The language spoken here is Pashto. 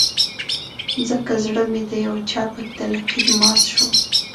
ځکه زړه مې د يو چا په تلقين مات شو